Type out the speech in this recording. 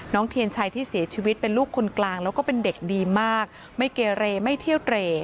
เทียนชัยที่เสียชีวิตเป็นลูกคนกลางแล้วก็เป็นเด็กดีมากไม่เกเรไม่เที่ยวเตร